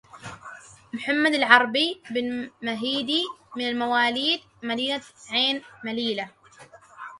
محمد العربي بن مهيدي من مواليد مدينة عين مليلة